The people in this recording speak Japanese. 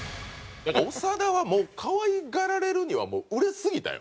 長田はもう可愛がられるには売れすぎたよ。